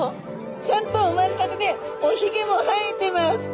ちゃんと生まれたてでおひげも生えてます。